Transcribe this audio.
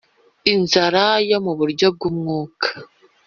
Inzara yo mu buryo bw umwuka